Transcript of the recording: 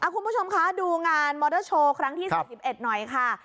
คุณผู้ชมคะดูงานมอเตอร์โชว์ครั้งที่๔๑หน่อยค่ะ